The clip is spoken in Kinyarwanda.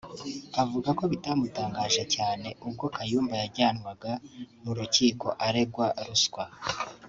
avuga ko bitamutangaje cyane ubwo Kayumba yajyanwaga mu rukiko aregwa Ruswa